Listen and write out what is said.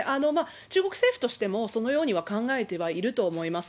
中国政府としてもそのようには考えてはいると思います。